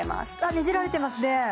ねじられてますね